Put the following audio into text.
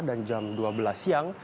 dan jam dua belas siang